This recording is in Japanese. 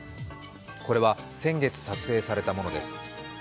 これは先月撮影されたものです。